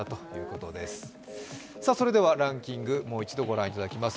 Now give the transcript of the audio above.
それでは、ランキング、もう一度ご覧いただきます。